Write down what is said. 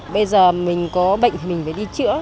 bây giờ mình có bệnh thì mình phải đi chữa